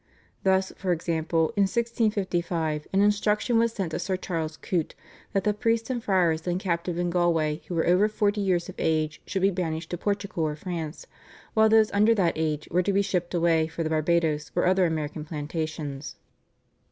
Thus, for example, in 1655 an instruction was sent to Sir Charles Coote that the priests and friars then captive in Galway who were over forty years of age should be banished to Portugal or France, while those under that age were to "be shipped away for the Barbadoes or other American plantations."